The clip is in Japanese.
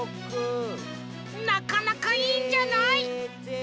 なかなかいいんじゃない？